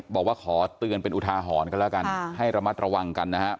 บอกว่าขอเตือนเป็นอุทาหรณ์กันแล้วกันให้ระมัดระวังกันนะครับ